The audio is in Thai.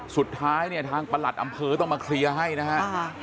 สุดท้ายเนี่ยทางประหลัดอำเภอต้องมาเคลียร์ให้นะฮะ